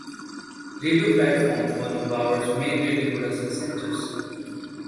Radio Clyde forms one of Bauer's main radio production centres.